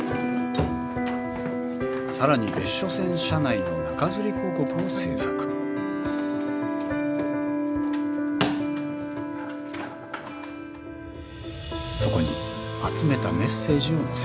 更に別所線車内の中吊り広告を制作そこに集めたメッセージを載せたのです。